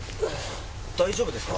大丈夫ですか？